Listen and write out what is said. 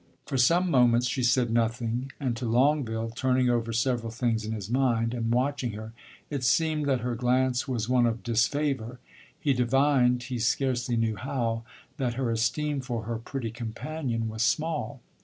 For some moments she said nothing, and to Longueville, turning over several things in his mind, and watching her, it seemed that her glance was one of disfavor. He divined, he scarcely knew how, that her esteem for her pretty companion was small.